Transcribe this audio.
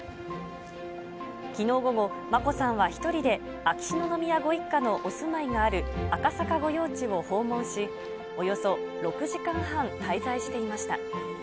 きのう午後、眞子さんは１人で秋篠宮ご一家のお住まいがある赤坂御用地を訪問し、およそ６時間半、滞在していました。